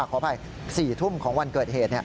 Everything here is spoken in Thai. ขออภัย๔ทุ่มของวันเกิดเหตุ